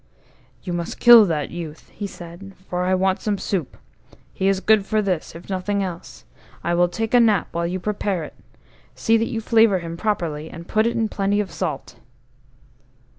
OU must kill that youth," he said, "for I want some soup. He is good for this, if for nothing else. I will take a nap while you prepare it. See that you flavour him properly, and put in plenty of salt."